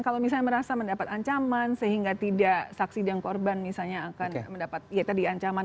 kalau misalnya merasa mendapat ancaman sehingga tidak saksi dan korban misalnya akan mendapat ya tadi ancaman